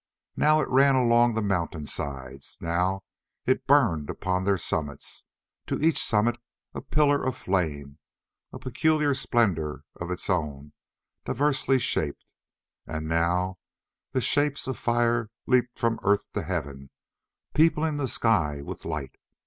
Now it ran along the mountain sides, now it burned upon their summits, to each summit a pillar of flame, a peculiar splendour of its own diversely shaped; and now the shapes of fire leaped from earth to heaven, peopling the sky with light.